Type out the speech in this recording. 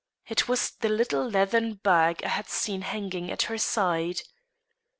It was the little leathern bag I had seen hanging at her side.